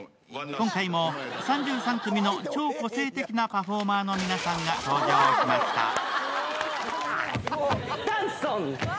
今回も３３組の超個性的なパフォーマーの皆さんが登場しました。